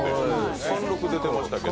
貫禄出てましたけど。